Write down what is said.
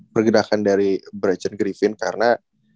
pergerakan dari bradgeton griffin karena